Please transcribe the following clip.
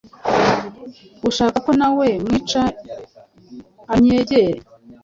ushaka ko na we mwica anyegere